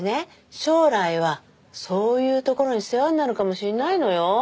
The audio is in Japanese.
将来はそういうところに世話になるかもしれないのよ？